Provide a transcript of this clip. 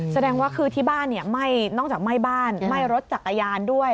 แสดงว่าคือที่บ้านนอกจากไหม้บ้านไหม้รถจักรยานด้วย